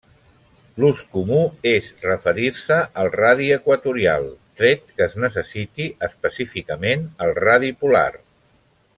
L'ús comú és referir-se al radi equatorial, tret que es necessiti específicament el radi polar.